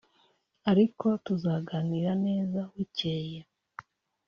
ariko tuzaganira neza bucyeye